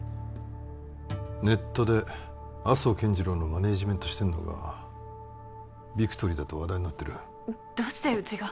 ネットで麻生健次郎のマネージメントしてるのがビクトリーだと話題になってるどうしてうちが？